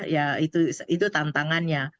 ya itu tantangannya